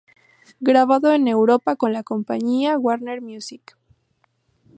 Grabado en Europa con la compañía Warner Music.